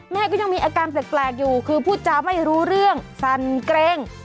แม่ก็ยังมีอาการแปลกอยู่คือพูดจาไม่รู้เรื่องสั่นเกร็ง